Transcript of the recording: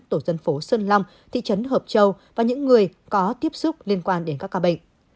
tổ dân phố xuân long thị trấn hợp châu và những người có tiếp xúc liên quan đến các ca bệnh